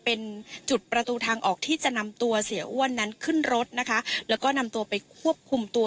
ออกที่จะนำตัวเสียอ้วนนั้นขึ้นรถนะคะแล้วก็นำตัวไปควบคุมตัว